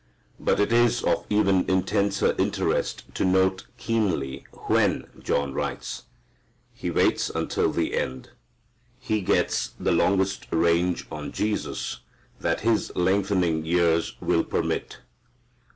But it is of even intenser interest to note keenly when John writes. He waits until the end. He gets the longest range on Jesus that his lengthening years will permit.